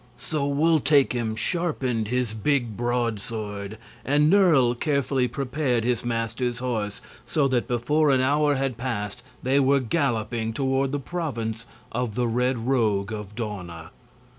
So Wul Takim sharpened his big broadsword, and Nerle carefully prepared his master's horse, so that before an hour had passed they were galloping toward the province of the Red Rogue of Dawna.